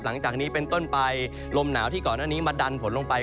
หลังจากนี้เป็นต้นไปลมหนาวที่ก่อนหน้านี้มาดันฝนลงไป